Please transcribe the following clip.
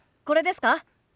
これですか？